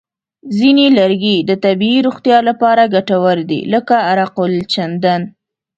ځینې لرګي د طبیعي روغتیا لپاره ګټور دي، لکه عرقالچندڼ.